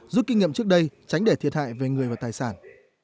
rút kinh nghiệm trước đây tránh để thiệt hại về người và tài sản